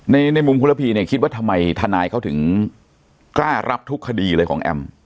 ในมุมคุณระพีเนี่ยคิดว่าทำไมทนายเขาถึงกล้ารับทุกคดีเลยของแอม